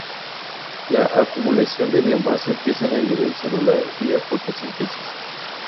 La acumulación de biomasa empieza en el nivel celular vía fotosíntesis.